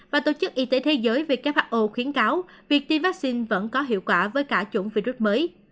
và tổ chức y tế thế giới who khuyến cáo việc tiêm vaccine vẫn có hiệu quả với cả chủng virus mới